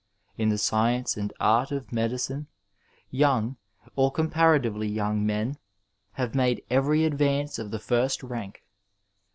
In the science and art of medicine young or comparatively young men have made every advance of the first rank.